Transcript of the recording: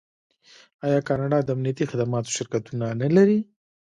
آیا کاناډا د امنیتي خدماتو شرکتونه نلري؟